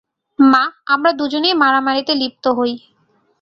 মা, আমরা দুজনেই মারামারিতে লিপ্ত হই।